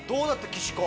岸子。